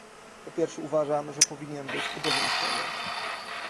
Po pierwsze uważam, że powinien być obowiązkowy